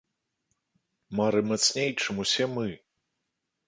Мары мацней, чым усе мы!